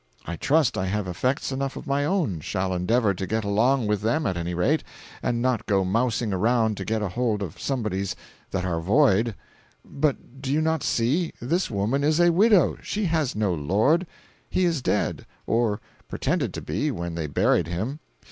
I trust I have effects enough of my own—shall endeavor to get along with them, at any rate, and not go mousing around to get hold of somebody's that are 'void.' But do you not see?—this woman is a widow—she has no 'lord.' He is dead—or pretended to be, when they buried him.